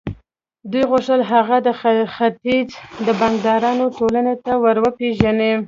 دوی غوښتل هغه د ختیځ د بانکدارانو ټولنې ته ور وپېژني